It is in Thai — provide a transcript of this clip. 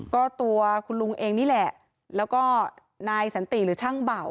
ก็ตัวคุณลุงเองนี่แหละแล้วก็นายสันติหรือช่างเบา